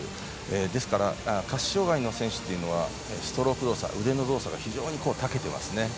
ですから、下肢障がいの選手というのはストローク動作腕の動作が非常にたけますね。